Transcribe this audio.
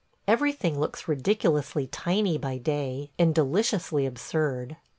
Everything looks ridiculously tiny by day, and deliciously absurd.